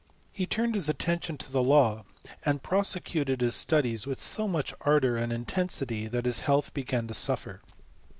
He turned his attention to the law, and prosecuted his studies with so much ardour and inten sity that his health began to suffer.